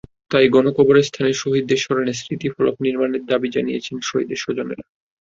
তাই গণকবরের স্থানে শহীদদের স্মরণে স্মৃতিফলক নির্মাণের দাবি জানিয়েছেন শহীদদের স্বজনেরা।